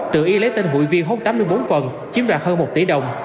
tự ý lấy tên hụi viên hút tám mươi bốn phần chiếm đoạt hơn một tỷ đồng